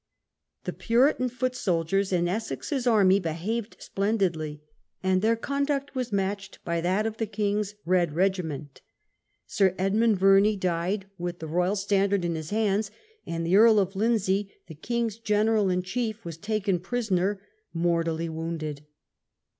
The Puritan foot soldiers in Essex's army behaved splendidly, and their conduct was matched by that of the king's "Red Regiment". Sir Edmund Verney died with the THREE ROYALIST CENTRES. 43 Royal Standard in his hands, and the Earl of Lindsey, the king's general in chief, was taken prisoner, mortally wounded.